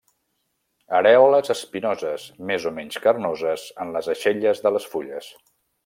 Arèoles espinoses, més o menys carnoses, en les aixelles de les fulles.